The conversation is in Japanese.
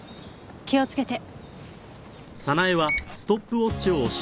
気をつけて。